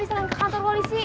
di selang ke kantor polisi